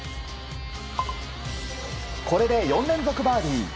これで４連続バーディー。